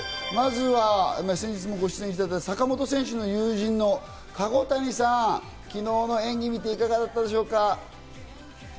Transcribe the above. まずは先日もご出演いただいた坂本選手のご友人の籠谷さん、昨日の演技を見ていかがだったでしょうか？